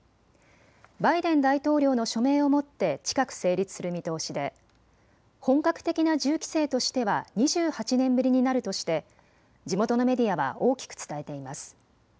バイデン大統領の署名をもって近く成立する見通しで本格的な銃規制としては２８年ぶりになるとして地元のメディアは大きく伝えています。